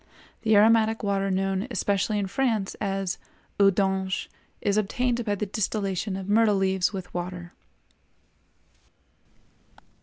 The aromatic water known, especially in France, as "eau d'anges" is obtained by the distillation of myrtle leaves with water.